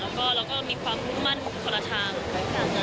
แล้วก็เราก็มีความมั่นคนละทาง